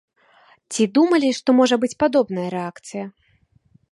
Ці думалі, што можа быць падобная рэакцыя?